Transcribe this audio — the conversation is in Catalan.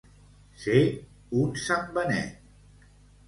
Ser un sant Benet.